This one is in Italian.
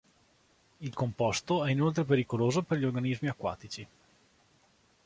Il composto è inoltre pericoloso per gli organismi acquatici.